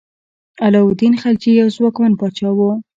علاء الدین خلجي یو ځواکمن پاچا و.